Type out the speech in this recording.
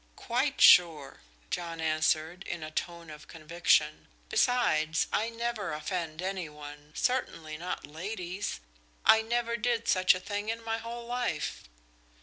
"Quite sure," John answered, in a tone of conviction. "Besides, I never offend any one, certainly not ladies. I never did such a thing in my whole life."